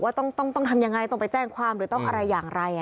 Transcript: ว่าต้องทำยังไงต้องไปแจ้งความหรือต้องอะไรอย่างไร